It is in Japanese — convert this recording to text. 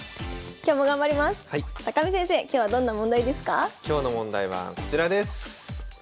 今日の問題はこちらです。